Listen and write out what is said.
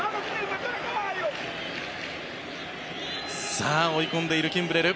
さあ、追い込んでいるキンブレル。